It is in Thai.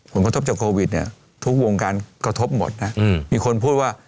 ผลกระทบจากโควิดเนี่ยทุกวงการกระทบหมดนะมีคนพูดว่า